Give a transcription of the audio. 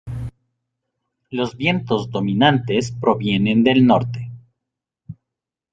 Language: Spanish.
Los vientos dominantes provienen del norte.